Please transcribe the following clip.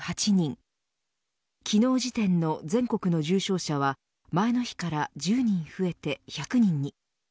昨日時点の全国の重症者は前の日から１０人増えて１００人に。